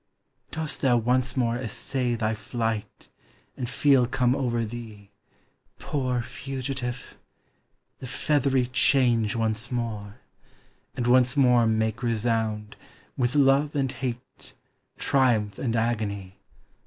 Dost thou once more essay Thy flight; and feel come over thee, Poor fugitive ! the feathery change Once more; and once more make resound, With love and hate, triumph and agony.